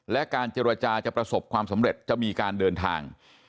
และการเจรจาจะประสบความสำเร็จจะมีการเดินทาง